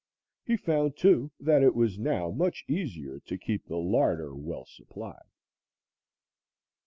He found, too, that it was now much easier to keep the larder well supplied.